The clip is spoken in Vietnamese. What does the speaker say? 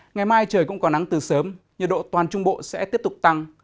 ngày mai trời cũng có nắng từ sớm nhiệt độ toàn trung bộ sẽ tiếp tục tăng